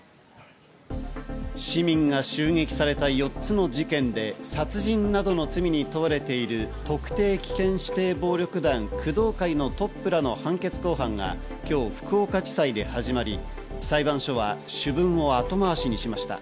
市民が襲撃された４つの事件で殺人などの罪に問われている特定危険指定暴力団・工藤会のトップらの判決公判が今日、福岡地裁で始まり、裁判所は主文を後回しにしました。